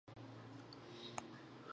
ملالۍ به د چوپان لور وه.